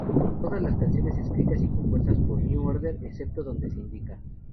Todas las canciones escritas y compuestas por New Order; excepto donde se indica.